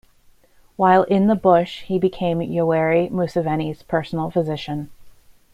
While in the bush, he became Yoweri Museveni's personal physician.